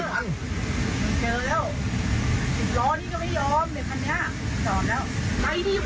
ต่อไปแล้วไปดิพุ่ง